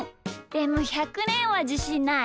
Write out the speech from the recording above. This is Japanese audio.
でも１００ねんはじしんない。